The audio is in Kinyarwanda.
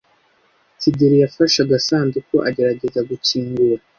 kigeli yafashe agasanduku agerageza gukingura.